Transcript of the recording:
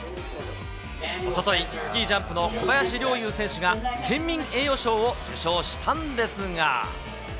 おととい、スキージャンプの小林陵侑選手が、県民栄誉賞を受賞したんですが。